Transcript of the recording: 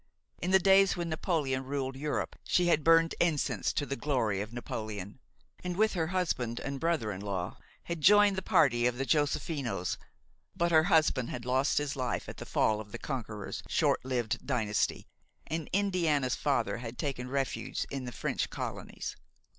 In the days when Napoleon ruled Europe she had burned incense to the glory of Napoleon, and with her husband and brother in law had joined the party of the Joséphinos; but her husband had lost his life at the fall of the conqueror's short lived dynasty, and Indiana's father had taken refuge in the French colonies.